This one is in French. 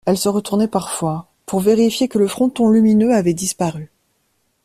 Elle se retournait parfois, pour vérifier que le fronton lumineux avait disparu.